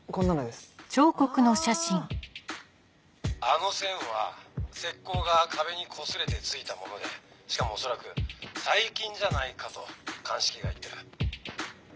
あの線は石膏が壁にこすれて付いたものでしかも恐らく最近じゃないかと鑑識が言ってる。